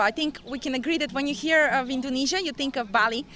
saya pikir kita bisa setuju bahwa ketika anda mendengar indonesia anda akan berpikir tentang bali